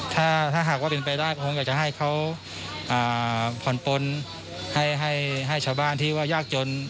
ถ้าหากว่าเป็นไปได้ก็คงอยากจะให้เขาผ่อนปนให้ชาวบ้านที่ว่ายากจน